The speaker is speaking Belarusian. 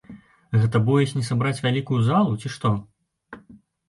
Гэта боязь не сабраць вялікую залу, ці што?